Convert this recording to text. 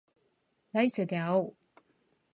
来世で会おう